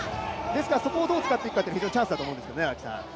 ですからそこをどう使っていくかが非常にチャンスだと思いますね。